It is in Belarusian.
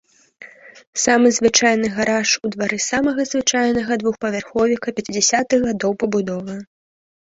Самы звычайны гараж у двары самага звычайнага двухпавярховіка пяцідзясятых гадоў пабудовы.